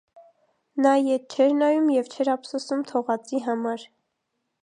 Նա ետ չէր նայում և չէր ափսոսում թողածի համար։